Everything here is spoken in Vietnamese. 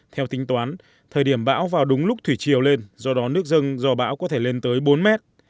theo tính toán thời điểm bão vào đúng lúc thủy chiều lên do đó nước dâng do bão có thể lên tới bốn mét